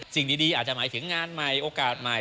สิ่งดีอาจจะหมายถึงงานใหม่โอกาสใหม่